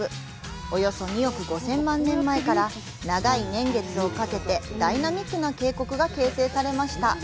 およそ２億５０００万年前から長い年月をかけてダイナミックな渓谷が形成されました。